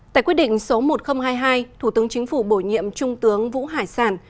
tại quyết định số một nghìn hai mươi hai thủ tướng chính phủ bổ nhiệm trung tướng vũ hải sản